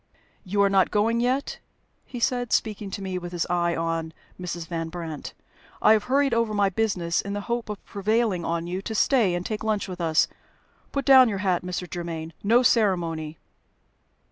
"You are not going yet?" he said, speaking to me with his eye on Mrs. Van Brandt. "I have hurried over my business in the hope of prevailing on you to stay and take lunch with us. Put down your hat, Mr. Germaine. No ceremony!"